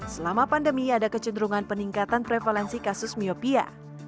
selama pandemi ada kecenderungan peningkatan prevalensi kasus miopia